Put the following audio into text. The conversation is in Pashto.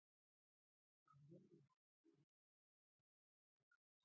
پیره داران هم د بندیانو د ساتنې لپاره وو.